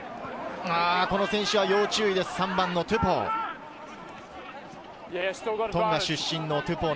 この選手は要注意、３番のトゥポウ。